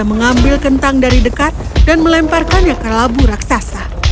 mengambil kentang dari dekat dan melemparkannya ke labu raksasa